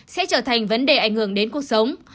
sẽ trở thành vấn đề ảnh hưởng đến cuộc sống